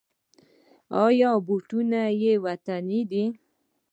آیا بوټان یې وطني دي؟